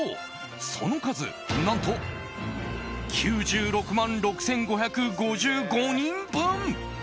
その数、何と９６万６５５５人分。